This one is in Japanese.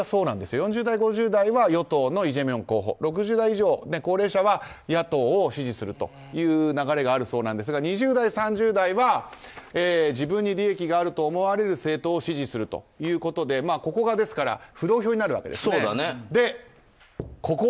４０代、５０代は与党のイ・ジェミョン候補６０代以上の高齢者は野党を支持するという流れがあるそうなんですが２０代、３０代は自分に利益があると思われる政党を支持するということでですから、ここが浮動票になるわけですよね。